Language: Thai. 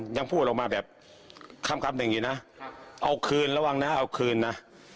ยังพูดออกมาแบบคำหนึ่งอย่างนี้นะเอาคืนระวังนะเอาคืนนะ